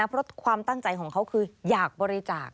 เพราะความตั้งใจของเขาคืออยากบริจาค